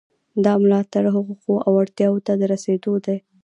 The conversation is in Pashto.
دا ملاتړ حقوقو او اړتیاوو ته د رسیدو دی.